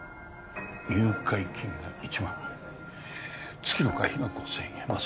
入会金が１万月の会費が５０００円まあ